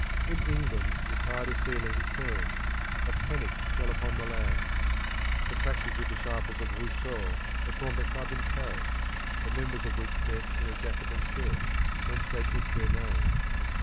In England the tide of feeling turned; a panic fell upon the land. The practical disciples of Rousseau had formed a club in Paris, the members of which met in a Jacobin church, whence they took their name.